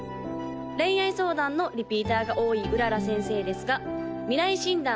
恋愛相談のリピーターが多い麗先生ですが未来診断